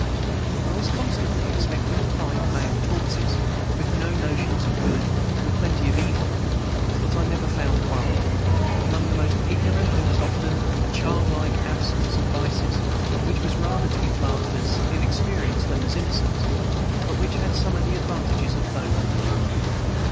I was constantly expecting to find male Topsies, with no notions of good and plenty of evil. But I never found one. Among the most ignorant there was very often a childlike absence of vices, which was rather to be classed as inexperience than as innocence, but which had some of the advantages of both.